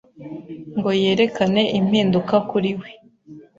ngo yerekane impinduka kuri we